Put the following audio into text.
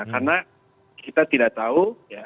karena kita tidak tahu